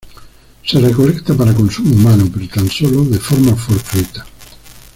Se recolecta para consumo humano, pero tan sólo de forma fortuita.